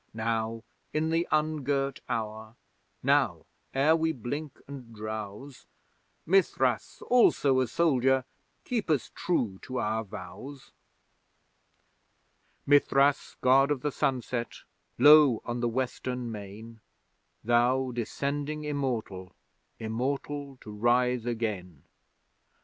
Now in the ungirt hour; now ere we blink and drowse, Mithras, also a soldier, keep us true to our vows! Mithras, God of the Sunset, low on the Western main, Thou descending immortal, immortal to rise again!